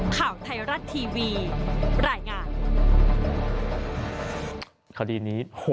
ข่าวไทยรัฐทีวีรายงาน